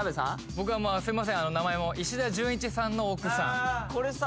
僕はすいません名前も石田純一さんの奥さんこれさ